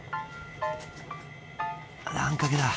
あんかけだ。